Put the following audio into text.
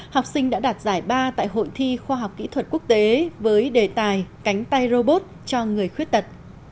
học sinh đã đạt giải ba tại hội thi khoa học kỹ thuật quốc tế với đề tài cánh tay robot cho người khuyết tật